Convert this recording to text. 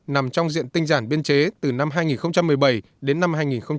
nằm trong diện tinh giản biên chế từ năm hai nghìn một mươi bảy đến năm hai nghìn một mươi bảy